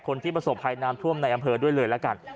คนที่ประสบภัยน้ำท่วมในอำเภอด้วยเลยละกัน